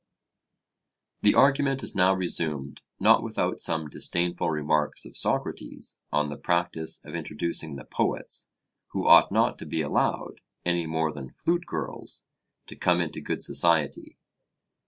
The argument is now resumed, not without some disdainful remarks of Socrates on the practice of introducing the poets, who ought not to be allowed, any more than flute girls, to come into good society.